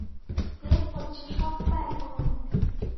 প্রেম হচ্ছে সস্তা এক অনুভূতি!